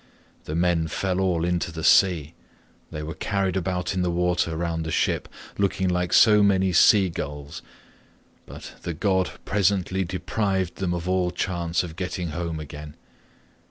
The men fell all into the sea; they were carried about in the water round the ship looking like so many sea gulls, but the god presently deprived them of all chance of getting home again.